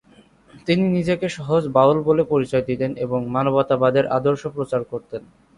তিনি নিজেকে সহজ বাউল বলে পরিচয় দিতেন এবং মানবতাবাদের আদর্শ প্রচার করতেন।